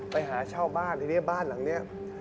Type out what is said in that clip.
ไปหาเช่าบ้านทีนี้บ้านหลังนี้